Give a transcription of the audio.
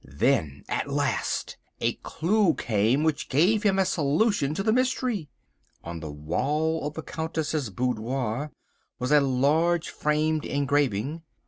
Then at last a clue came which gave him a solution of the mystery. On the wall of the Countess's boudoir was a large framed engraving.